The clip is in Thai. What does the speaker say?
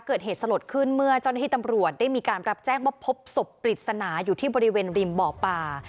เกิดเหตุสลดขึ้นเมื่อเจ้าหน้าที่ตำรวจได้มีการรับแจ้งว่าพบศพปริศนาอยู่ที่บริเวณริมบ่อป่า